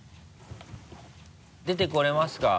出てこれますか？